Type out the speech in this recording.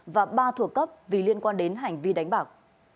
và ba thuộc cấp vì liên quan đến hành vi đánh bạc